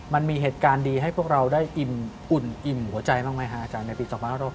มันมีเหตุการณ์ดีให้พวกเราได้อิ่มอุ่นอิ่มหัวใจบ้างไหมฮะอาจารย์ในปี๒๕๖๐